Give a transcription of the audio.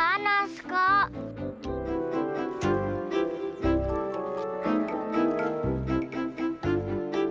kayanya disitu ada telaga deh